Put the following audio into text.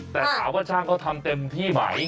แต่ถามว่าช่างเขาทำเต็มที่ไหม